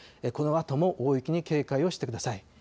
このあとも大雪に警戒をしてください。